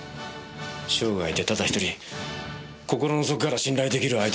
生涯でただ１人心の底から信頼できる相手に。